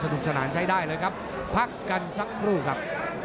นุกสนานใช้ได้เลยครับพักกันสักครู่ครับ